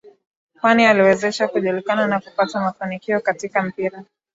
Kwani aliiwezesha kujilikana na kupata mafanikio katika mpira